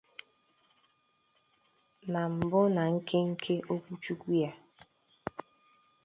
Na mbụ na nkenke okwuchukwu ya